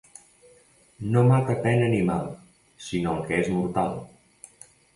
No mata pena ni mal, sinó el que és mortal.